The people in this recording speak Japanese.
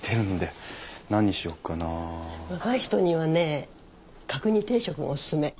若い人にはね角煮定食がおすすめ。